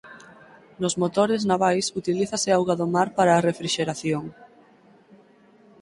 Nos motores navais utilízase auga do mar para a refrixeración.